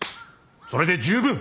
それで十分！